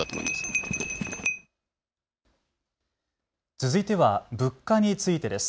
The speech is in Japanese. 続いては物価についてです。